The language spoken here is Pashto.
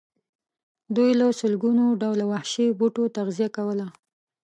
دوی له لسګونو ډوله وحشي بوټو تغذیه کوله.